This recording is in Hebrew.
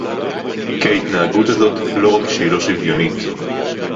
כי ההתנהגות הזאת לא רק שהיא לא שוויונית